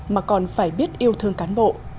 mà còn phải biết yêu thương cán bộ